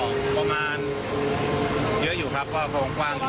ก็ประมาณเยอะอยู่ครับก็คงกว้างอยู่